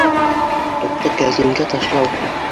Тупты кәрзингә ташлау